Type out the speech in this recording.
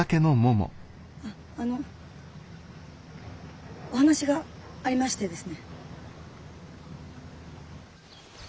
あっあのお話がありましてですね。